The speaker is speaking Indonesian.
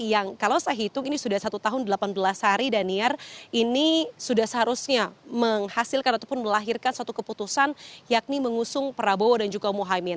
yang kalau saya hitung ini sudah satu tahun delapan belas hari daniar ini sudah seharusnya menghasilkan ataupun melahirkan suatu keputusan yakni mengusung prabowo dan juga mohaimin